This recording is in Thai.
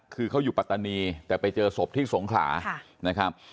คือเขาอยู่ปัตตานีแต่ไปเจอศพที่สงขลานะครับ